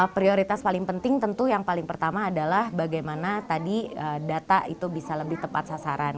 prioritas paling penting tentu yang paling pertama adalah bagaimana tadi data itu bisa lebih tepat sasaran